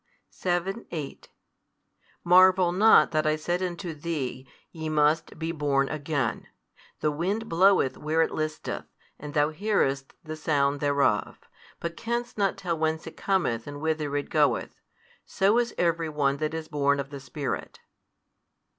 7, 8 Marvel not that I said unto thee, Ye must be born again. The wind bloweth where it listeth, and thou hearest the sound thereof, but canst not tell whence it cometh and whither it goeth; so is every one that is born of the Spirit.